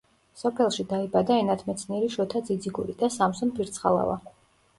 სოფელში დაიბადა ენათმეცნიერი შოთა ძიძიგური და სამსონ ფირცხალავა.